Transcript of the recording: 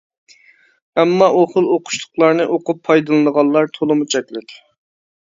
ئەمما ئۇ خىل ئوقۇشلۇقلارنى ئوقۇپ پايدىلىنىدىغانلار تولىمۇ چەكلىك.